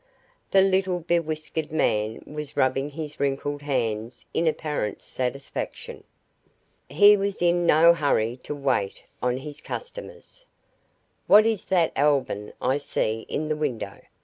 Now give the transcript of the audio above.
The little bewhiskered man was rubbing his wrinkled hands in apparent satisfaction. He was in no hurry to wait on his customers. "What is that album I see in the window?"